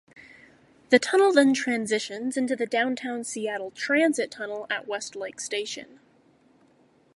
The tunnel then transitions into the Downtown Seattle Transit Tunnel at Westlake Station.